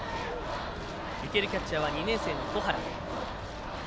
受けるキャッチャーは２年生の小原。